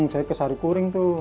saya kesari kuring tuh